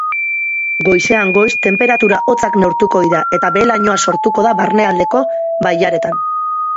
Goizean goiz tenperatura hotzak neurtuko dira eta behe-lainoa sortuko da barnealdeko bailaretan.